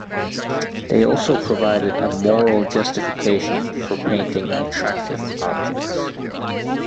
They also provided a moral justification for painting attractive objects.